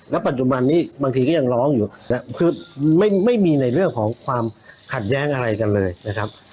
ปัจจุบันนี้บางทีก็ยังร้องอยู่คือไม่มีในเรื่องของความขัดแย้งอะไรกันเลยนะครับ